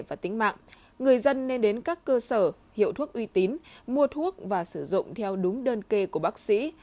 và tính mạng người dân nên đến các cơ sở hiệu thuốc uy tín mua thuốc và sử dụng theo đúng đơn kê của bác sĩ